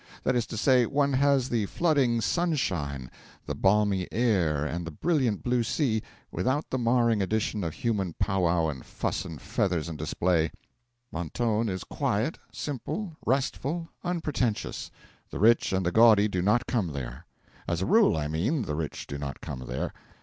That is to say, one has the flooding sunshine, the balmy air and the brilliant blue sea, without the marring additions of human pow wow and fuss and feathers and display. Mentone is quiet, simple, restful, unpretentious; the rich and the gaudy do not come there. As a rule, I mean, the rich do not come there.